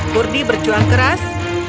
kurdi berjuang keras